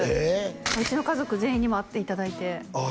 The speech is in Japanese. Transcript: うちの家族全員にも会っていただいてああ